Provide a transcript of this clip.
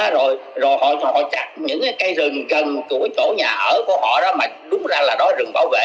rồi họ chặt những cây rừng gần chỗ nhà ở của họ đó mà đúng ra là đói rừng bảo vệ